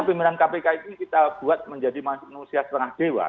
pimpinan kpk itu kita buat menjadi manusia setengah dewa